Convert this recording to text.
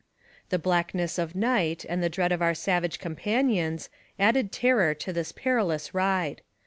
The blackness of night, and the dread of our savage companions, added terror to this perilous ride.